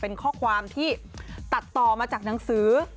เป็นข้อความที่ตัดต่อมาจากหนังสือ